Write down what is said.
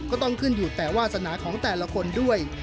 ก็ต้องขึ้นอยู่แต่วาสนาของแต่ละคนด้วย